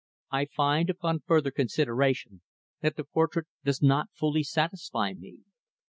I find, upon further consideration, that the portrait does not fully satisfy me.